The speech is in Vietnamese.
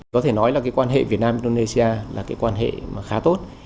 có thể nói là quan hệ việt nam indonesia là quan hệ khá tốt